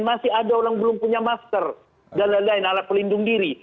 masih ada orang belum punya masker dan lain lain alat pelindung diri